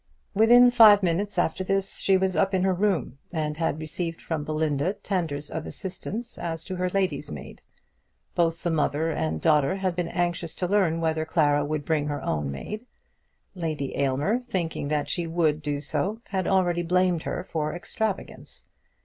Within five minutes after this she was up in her room, and had received from Belinda tenders of assistance as to her lady's maid. Both the mother and daughter had been anxious to learn whether Clara would bring her own maid. Lady Aylmer, thinking that she would do so, had already blamed her for extravagance.